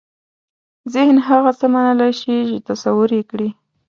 ذهن هغه څه منلای شي چې تصور یې کړي.